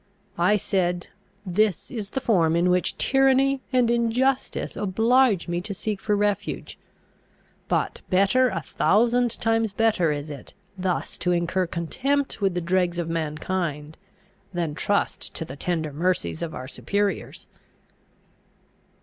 I said, "This is the form in which tyranny and injustice oblige me to seek for refuge: but better, a thousand times better is it, thus to incur contempt with the dregs of mankind, than trust to the tender mercies of our superiors!"